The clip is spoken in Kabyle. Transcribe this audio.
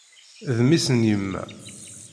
D mmi-s n yemma.